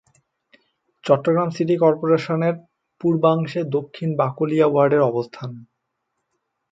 Chittagong city কর্পোরেশনের পূর্বাংশে দক্ষিণ বাকলিয়া ওয়ার্ডের অবস্থান।